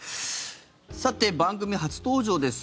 さて、番組初登場です。